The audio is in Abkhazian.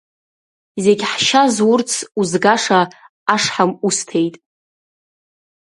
Зегьы ҳшьа зурц узгаша ашҳам усҭеит!